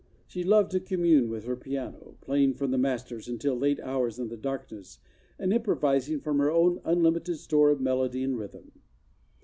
She loved to commune with her piano, playing from the masters until late hours in the darkness, and improvising from her own unlimited store of melody and rhythm.